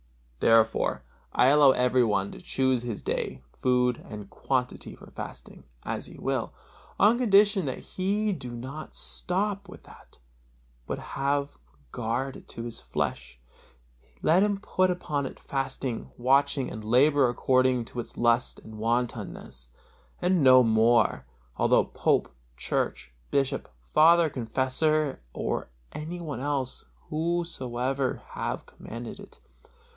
Therefore I allow everyone to choose his day, food and quantity for fasting, as he will, on condition that he do not stop with that, but have regard to his flesh; let him put upon it fasting, watching and labor according to its lust and wantonness, and no more, although pope, Church, bishop, father confessor or any one else whosoever have commanded it.